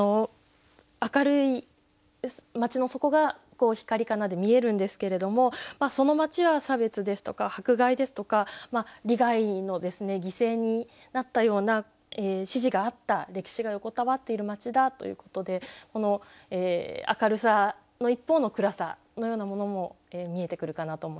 明るい街のそこが「光かな」で見えるんですけれどもその街は差別ですとか迫害ですとか利害の犠牲になったような指示があった歴史が横たわっている街だということで明るさの一方の暗さのようなものも見えてくるかなと思いました。